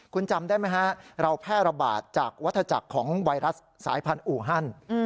คุณจำได้ไหมฮะเราแพร่ระบาดจากวัฒจักรของไวรัสสายพันธุ์อูฮัน